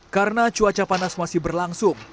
karena cuaca panas masih berlangsung